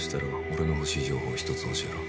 俺の欲しい情報を一つ教えろ